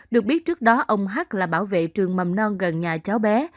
được biết trước đó ông hắt là bảo vệ trường mầm non gần nhà cháu bé